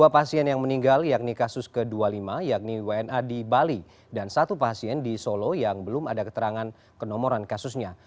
dua pasien yang meninggal yakni kasus ke dua puluh lima yakni wna di bali dan satu pasien di solo yang belum ada keterangan kenomoran kasusnya